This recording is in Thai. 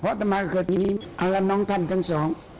เพราะต่อมาเกิดนี้อัลละน้องท่านทั้งสอง